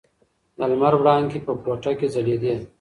د لمر وړانګې په کوټه کې ځلېدې.